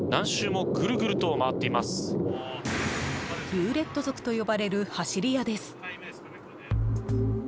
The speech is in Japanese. ルーレット族と呼ばれる走り屋です。